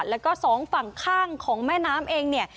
แล้วก็สองฝั่งข้างของแม่น้ำเองเนี่ย